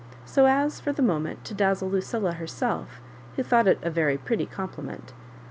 " so as, for the moment, to dazzle Lucilla herself, who thought it a very pret ty compliment.